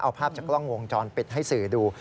เอาภาพจากกล้องวงจรปิดให้สื่อดู